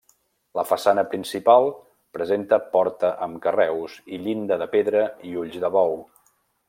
La façana principal presenta porta amb carreus i llinda de pedra i ulls de bou.